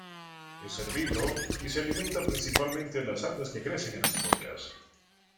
Es herbívoro, y se alimentan principalmente de las algas que crecen en las rocas.